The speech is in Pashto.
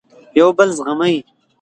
یو بل زغمئ.